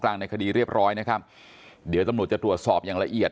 ในคดีเรียบร้อยนะครับเดี๋ยวตำรวจจะตรวจสอบอย่างละเอียด